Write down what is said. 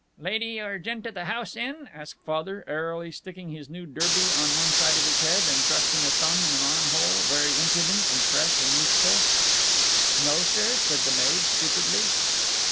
"Lady or gent o' the house in?" asked Father, airily sticking his new derby on one side of his head and thrusting a thumb in an armhole, very impudent and fresh and youthful. "No, sir," said the maid, stupidly.